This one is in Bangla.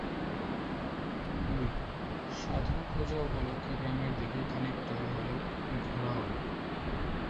দুই, সাধু খোঁজা উপলক্ষে গ্রামের দিকে খানিকটা হলেও ঘোরা হবে।